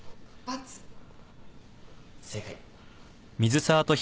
正解。